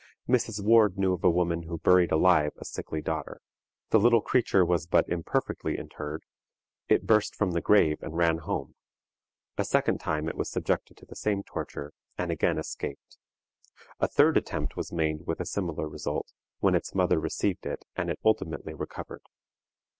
Mrs. Ward knew of a woman who buried alive a sickly daughter. The little creature was but imperfectly interred; it burst from the grave and ran home. A second time it was subjected to the same torture, and again escaped. A third attempt was made with a similar result, when its mother received it, and it ultimately recovered.